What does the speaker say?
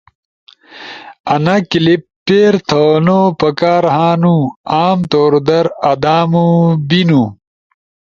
انا کلپ پیر تھونو پکار ہنو۔ عام طور در آدامو بینو